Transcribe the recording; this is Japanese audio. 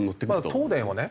東電はね